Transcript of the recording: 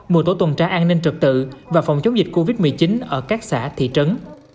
mùa tổ tuần tra an ninh trật tự và phòng chống dịch covid một mươi chín ở các xã thị trấn